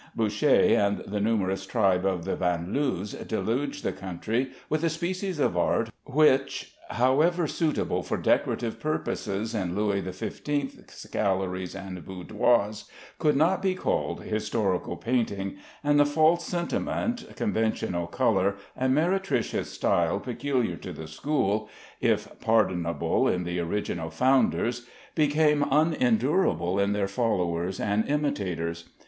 Boucher and the numerous tribe of the Vanloos deluged the country with a species of art which, however suitable for decorative purposes in Louis XV galleries and boudoirs, could not be called historical painting, and the false sentiment, conventional color, and meretricious style peculiar to the school (if pardonable in the original founders) became unendurable in their followers and imitators.